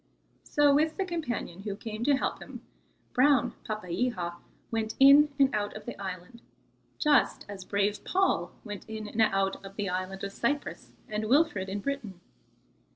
So with the companion who came to help him, brown Papeiha went in and out of the island just as brave Paul went in and out in the island of Cyprus and Wilfrid in Britain.